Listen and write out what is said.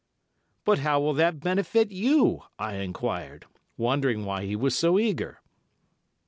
"But how will that benefit you?" I enquired, wondering why he was so eager.